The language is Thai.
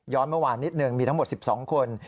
เมื่อวานนิดหนึ่งมีทั้งหมด๑๒คน